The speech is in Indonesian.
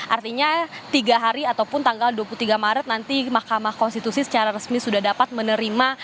artinya tiga hari ataupun tanggal dua puluh tiga maret nanti mahkamah konstitusi secara resmi sudah dapat menerima